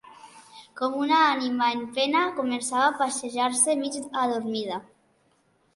Com una ànima en pena, començava a passejar-se, mig adormida